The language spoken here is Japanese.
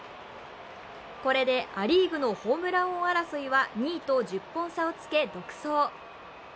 これで、ア・リーグのホームラン王争いは２位と１０本差をつけ独走。